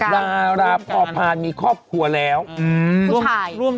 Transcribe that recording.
ดาราพอพานมีครอบครัวแล้วผู้ชาย